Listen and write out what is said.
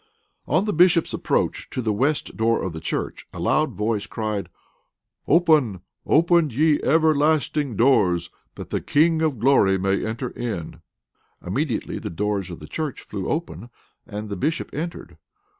On the bishop's approach to the west door of the church, a loud voice cried, "Open, open, ye everlasting doors, that the king of glory may enter in!" Immediately the doors of the church flew open, and the bishop entered.